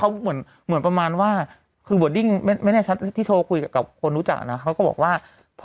เพราะเหมือนผมเป็นเงินประมาณว่า